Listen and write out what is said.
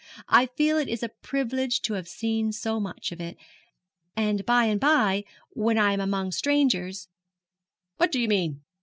I feel it is a privilege to have seen so much of it; and by and by, when I am among strangers ' 'What do you mean?'